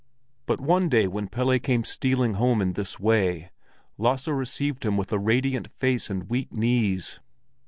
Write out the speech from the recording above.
But one day when Pelle came stealing home in this way, Lasse received him with a radiant face and weak knees.